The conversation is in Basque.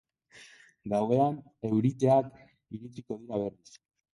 Gauean euriteak iritsiko dira berriz.